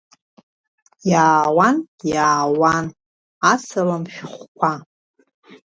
Иаауан, иаауан асалам шәҟәқәа.